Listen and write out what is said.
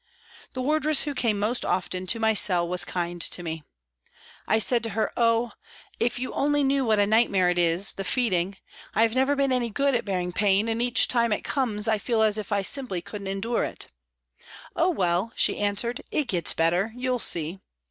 The wardress who came most often to my cell was kind to me. I said to her, " Oh ! if you only knew what a nightmare it is, the feeding. I have never been any good at bearing pain, and each time it comes I feel as if I simply couldn't endure it." " Oh ! well," she answered, " it gets better, you'll see."